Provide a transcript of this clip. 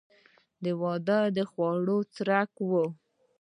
د واده خواړه څرنګه وو؟